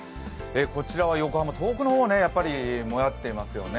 こちらは横浜、遠くの方は、やはりもやっていますよね。